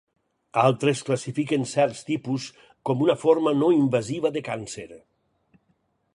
Altres classifiquen certs tipus com una forma no invasiva de càncer.